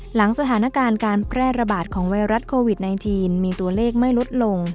หลังสถานการณ์การแพร่ระบาดของไวรัสโควิด๑๙มีตัวเลขไม่ลดลง